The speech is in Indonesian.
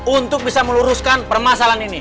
untuk bisa meluruskan permasalahan ini